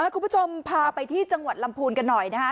คุณผู้ชมพาไปที่จังหวัดลำพูนกันหน่อยนะคะ